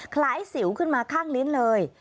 สิวขึ้นมาข้างลิ้นเลย